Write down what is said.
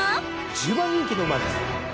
１０番人気の馬です。